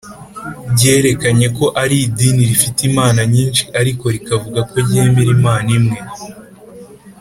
ryerekanye ko ari idini rifite imana nyinshi ariko rikavuga ko ryemera imana imwe